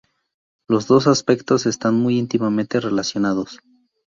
Los dos aspectos están muy íntimamente relacionados.